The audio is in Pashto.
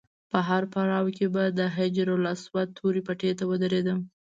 په هر پړاو کې به د حجر اسود تورې پټۍ ته ودرېدم.